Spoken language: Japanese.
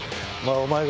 お前が。